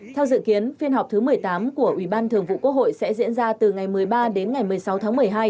theo dự kiến phiên họp thứ một mươi tám của ubth sẽ diễn ra từ ngày một mươi ba đến ngày một mươi sáu tháng một mươi hai